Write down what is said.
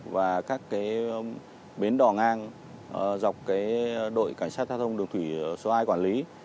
và các bến đỏ ngang dọc đội cảnh sát giao thông đường thủy số hai quản lý